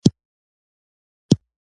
موږ ګورو چي، په قرآن شریف کي.